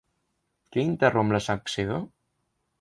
Què interromp la secció?